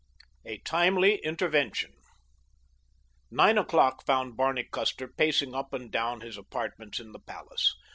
A TIMELY INTERVENTION Nine o'clock found Barney Custer pacing up and down his apartments in the palace.